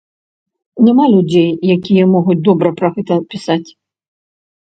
Няма людзей, якія могуць добра пра гэта пісаць.